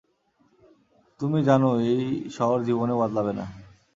তুমি জানো এই শহর জীবনেও বদলাবে না।